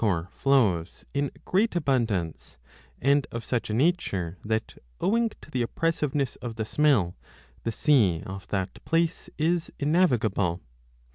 AUSCULTATIONIBUS 94 100 838* flows in great abundance, and of such a nature that, owing to the oppressiveness of the smell, the sea off that place is innavigable.